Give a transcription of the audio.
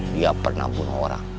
dia pernah bunuh orang